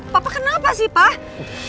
papa kenapa sih papa